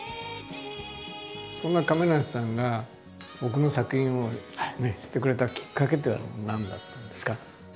そんな亀梨さんが僕の作品を知ってくれたきっかけっていうのは何だったんですか？